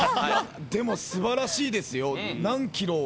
でも素晴らしいですよ。